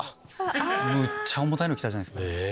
むっちゃ重たいのきたじゃないですか。